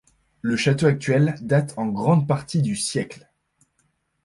Le château actuel date en grande partie du siècle.